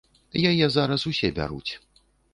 Яе зараз усе бяруць.